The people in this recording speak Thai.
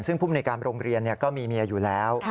ซึ่งภูมิในการโรงเรียนก็มีเมียอยู่แล้ว